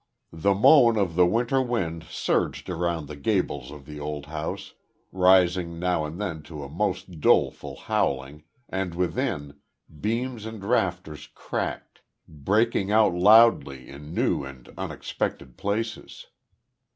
The moan of the winter wind surged around the gables of the old house, rising now and then to a most doleful howling, and within, beams and rafters cracked, breaking out loudly in new and unexpected places.